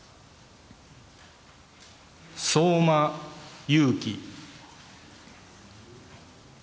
相馬勇紀。